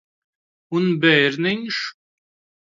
Un bērniņš?